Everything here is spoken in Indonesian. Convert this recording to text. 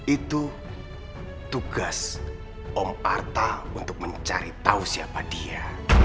itu tugas om arta untuk mencari tahu siapa dia